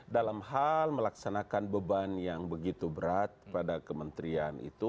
dalam hal melaksanakan beban yang begitu berat pada kementerian itu